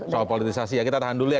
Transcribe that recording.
soal politisasi ya kita tahan dulu ya